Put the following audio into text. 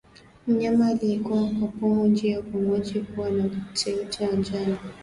Mnyama aliyekuwa kwa pumu njia ya upumuaji kuwa na uteute wa njano